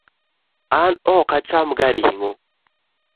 An ok acham ga ring'o